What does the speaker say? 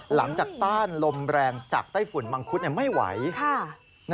หลังจากต้านลมแรงจากใต้ฝุ่นมังคุดไม่ไหวกลาก